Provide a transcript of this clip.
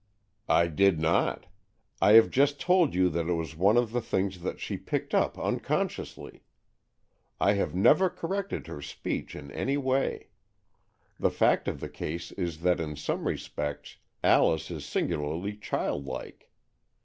" I did not. I have just told you that it was one of the things that she picked up unconsciously. I have never corrected her speech in any way. The fact of the case is that in some respects Alice is singularly childlike.